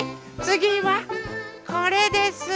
つぎはこれです。